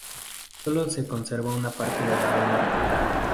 Sólo se conserva una parte del lado norte.